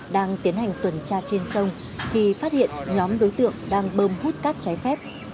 đang tiến hành tuần tra trên sông thì phát hiện nhóm đối tượng đang bơm hút cát trái phép